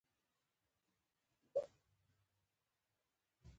دغه راز ویناوی د نقل قولونو په ډول دي.